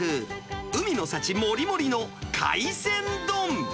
海の幸もりもりの海鮮丼。